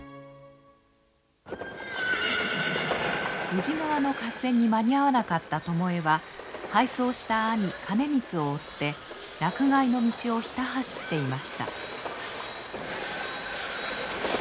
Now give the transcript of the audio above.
宇治川の合戦に間に合わなかった巴は敗走した兄兼光を追って洛外の道をひた走っていました。